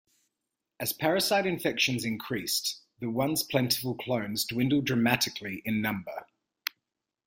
As parasite infections increased, the once plentiful clones dwindled dramatically in number.